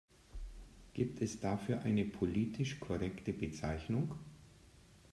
Gibt es dafür eine politisch korrekte Bezeichnung?